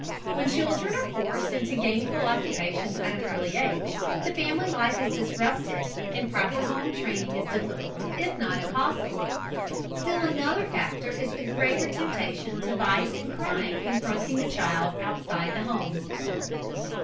When children are forced into gainful occupations at an early age, the family life is disrupted, and proper home training is difficult, if not impossible. Still another factor is the greater temptation to vice and crime confronting the child outside the home.